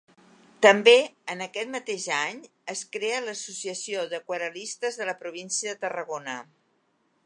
També, en aquest mateix any, es crea l'Associació d'Aquarel·listes de la província de Tarragona.